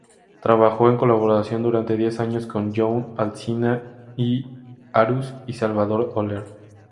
Trabajó en colaboración durante diez años con Joan Alsina i Arús y Salvador Oller.